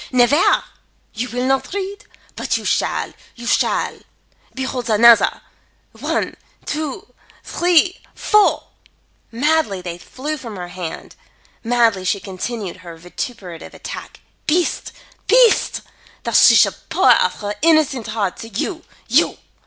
"Nevaire! You will not read? But you shall, you shall. Behold another! One, two, three, four!" Madly they flew from her hand. Madly she continued her vituperative attack. "Beast! beast! That she should pour out her innocent heart to you, you!